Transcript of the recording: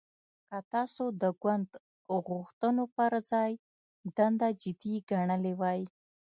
که تاسو د ګوند غوښتنو پر ځای دنده جدي ګڼلې وای